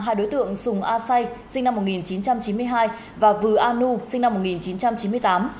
hai đối tượng sùng a say sinh năm một nghìn chín trăm chín mươi hai và vư anu sinh năm một nghìn chín trăm chín mươi tám